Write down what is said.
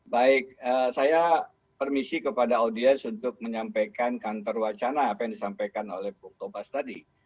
baik saya permisi kepada audiens untuk menyampaikan kantor wacana apa yang disampaikan oleh bung tobas tadi